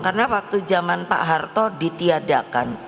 karena waktu zaman pak harto ditiadakan